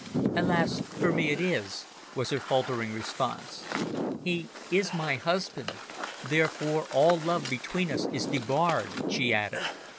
"Alas for me it is," was her faltering response. "He is my husband, therefore all love between us is debarred," she added.